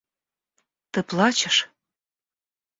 – Ты плачешь?